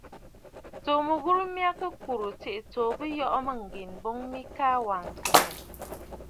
Tsuu mɨghurə mya kɨ nɔ̀rə̀, tsiʼì tsǒ bɨ yɔʼɔ mûŋgen, boŋ mɨ ka wàŋsə mmɛ̀.